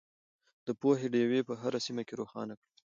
د پوهې ډیوې په هره سیمه کې روښانه کړئ.